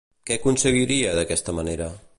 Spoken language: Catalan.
Què aconseguiria, d'aquesta manera?